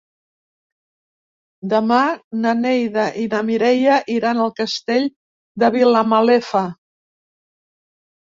Demà na Neida i na Mireia iran al Castell de Vilamalefa.